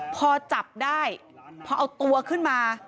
พอจับได้พอเอาตัวขึ้นมา